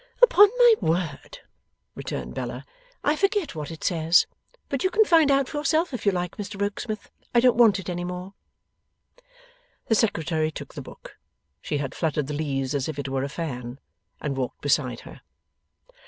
'Upon my word,' returned Bella, 'I forget what it says, but you can find out for yourself if you like, Mr Rokesmith. I don't want it any more.' The Secretary took the book she had fluttered the leaves as if it were a fan and walked beside her.